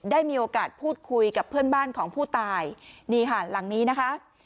ได้มีโอกาสพูดคุยกับเพื่อนบ้านของผู้ตายนี่ค่ะหลังนี้นะคะ